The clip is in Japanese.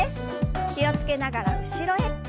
気を付けながら後ろへ。